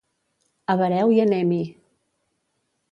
Avareu i anem-hi.